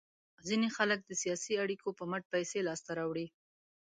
ځینې خلک د سیاسي اړیکو په مټ پیسې لاس ته راوړي.